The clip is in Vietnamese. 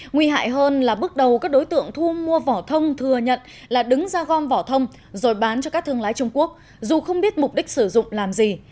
nguy hại hơn là bước đầu các đối tượng thu mua vỏ thông thừa nhận là đứng ra gom vỏ thông rồi bán cho các thương lái trung quốc dù không biết mục đích sử dụng làm gì